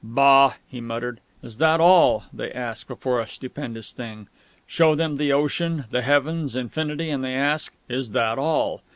"Bah!" he muttered. "'Is that all?' they ask before a stupendous thing. Show them the ocean, the heavens, infinity, and they ask, 'Is that all?'